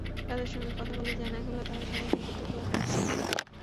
তাদের সঙ্গে কথা বলে জানা গেল, তারা সবাই নিয়মিত ক্লাসে আসে।